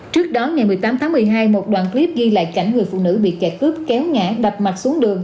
trước đó ngày một mươi tám tháng một mươi hai một đoạn clip ghi lại cảnh người phụ nữ bị kẻ cướp kéo ngã đập mặt xuống đường